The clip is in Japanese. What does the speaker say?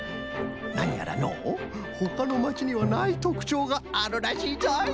なにやらのうほかのまちにはないとくちょうがあるらしいぞい。